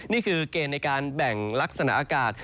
นี่คือเกณฑ์ในการแบ่งลักษณะอากาศ